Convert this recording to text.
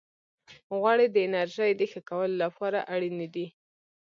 غوړې د انرژۍ د ښه کولو لپاره اړینې دي.